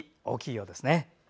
大きいようですね。